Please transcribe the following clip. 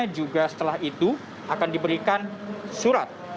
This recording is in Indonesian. juga setelah itu akan diberikan surat